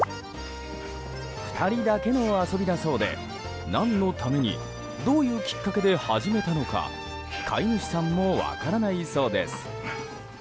２人だけの遊びだそうで何のためにどういうきっかけで始めたのか飼い主さんも分からないそうです。